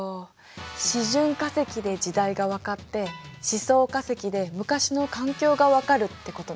示準化石で時代がわかって示相化石で昔の環境がわかるってことね。